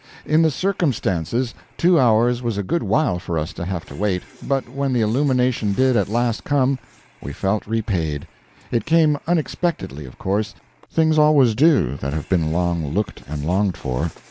In the circumstances, two hours was a good while for us to have to wait, but when the illumination did at last come, we felt repaid. It came unexpectedly, of course things always do, that have been long looked and longed for.